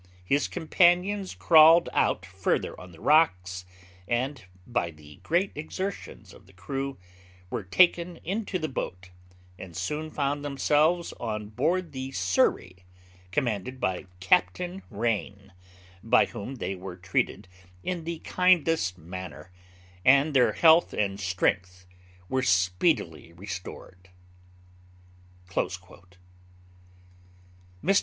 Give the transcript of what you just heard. His companions crawled out further on the rocks, and, by the great exertions of the crew, were taken into the boat, and soon found themselves on board the Surrey, commanded by Captain Raine, by whom they were treated in the kindest manner, and their health and strength were speedily restored.' Mr.